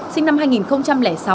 sinh năm hai nghìn sáu